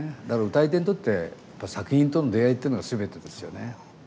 だから歌い手にとって作品との出会いっていうのが全てですよね。